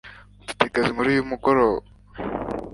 mfite akazi nkora uyu mugoroba